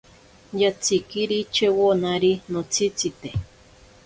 Yatsikiri chewonari notsitzite.